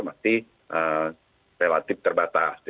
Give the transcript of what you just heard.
masih relatif terbatas